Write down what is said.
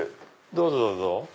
どうぞどうぞ。